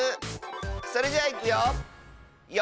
それじゃいくよ！